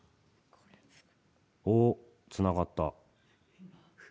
おっ、つながった。